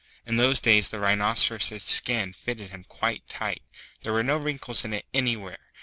In those days the Rhinoceros's skin fitted him quite tight. There were no wrinkles in it anywhere.